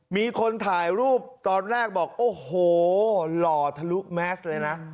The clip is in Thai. มีคนถ่ายรูปตอนแรกบอกโอ้โหหล่อทะลุแมสเลยนะ